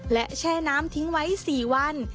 และแช่น้ำทิ้งไว้๔วัน